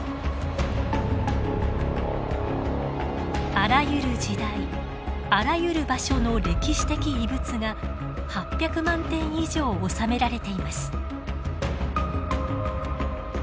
あらゆる時代あらゆる場所の歴史的遺物が８００万点以上収められています。